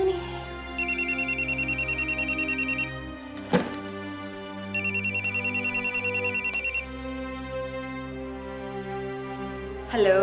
pancinya mana nih